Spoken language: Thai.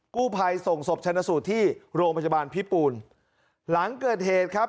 กู้ภัยส่งศพชนะสูตรที่โรงพยาบาลพิปูนหลังเกิดเหตุครับ